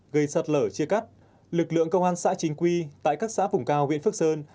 gây sạt lở chia cắt lực lượng công an xã chính quy tại các xã vùng cao huyện phước sơn